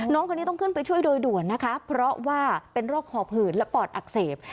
น้องคนนี้ต้องขึ้นไปช่วยโดยด่วนนะคะเพราะว่าเป็นโรคหอบผื่นและปอดอักเสบ